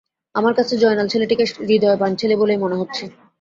আমার কাছে জয়নাল ছেলেটিকে হৃদয়বান ছেলে বলেই মনে হচ্ছে।